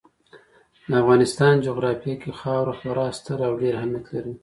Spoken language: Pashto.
د افغانستان جغرافیه کې خاوره خورا ستر او ډېر اهمیت لري.